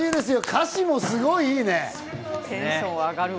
歌詞もすごいいいね。